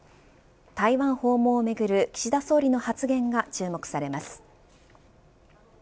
台湾訪問をめぐる岸田総理の発言が注目されます。